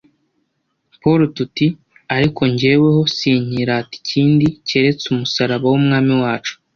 Paulo tuti: "Ariko jyeweho sinkirata ikindi keretse umusaraba w'Umwami wacu